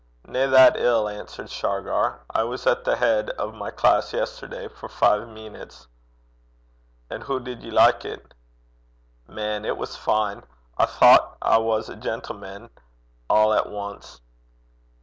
'Nae that ill,' answered Shargar. 'I was at the heid o' my class yesterday for five meenits.' 'An' hoo did ye like it?' 'Man, it was fine. I thocht I was a gentleman a' at ance.'